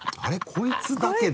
こいつだけど。